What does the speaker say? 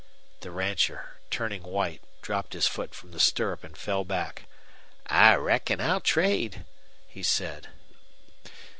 The rancher, turning white, dropped his foot from the stirrup and fell back. "I reckon I'll trade," he said.